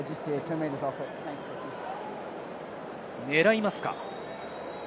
狙いますか。